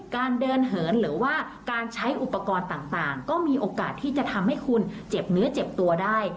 การเดินเหินหรือว่าการใช้อุปกรณ์ต่างก็มีโอกาสที่จะทำให้คุณเจ็บเนื้อเจ็บตัวได้